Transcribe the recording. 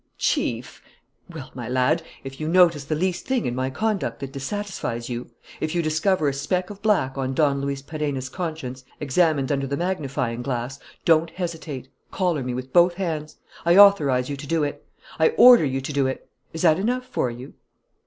"Chief " "Well, my lad, if you notice the least thing in my conduct that dissatisfies you, if you discover a speck of black on Don Luis Perenna's conscience, examined under the magnifying glass, don't hesitate: collar me with both hands. I authorize you to do it. I order you to do it. Is that enough for you?"